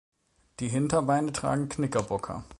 Die Hinterbeine tragen Knickerbocker.